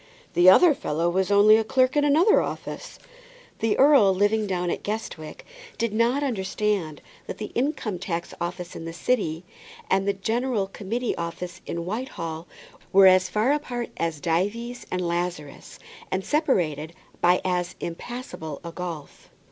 "The other fellow was only a clerk in another office." The earl living down at Guestwick did not understand that the Income tax Office in the city, and the General Committee Office at Whitehall, were as far apart as Dives and Lazarus, and separated by as impassable a gulf.